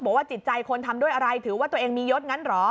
บอกว่าจิตใจคนทำด้วยอะไรถือว่าตัวเองมียศงั้นเหรอ